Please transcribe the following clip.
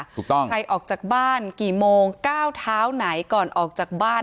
ถูกต้องใครออกจากบ้านกี่โมงก้าวเท้าไหนก่อนออกจากบ้าน